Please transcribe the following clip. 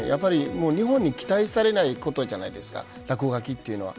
日本に期待されないことじゃないですか落書きというのは。